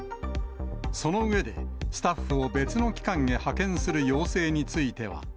その上で、スタッフを別の機関へ派遣する要請については。